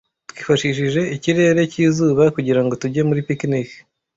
Twifashishije ikirere cyizuba kugirango tujye muri picnic.